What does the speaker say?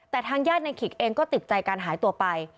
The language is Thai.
แต่ทางญาติในขิกเองก็ติดใจการหายตัวไป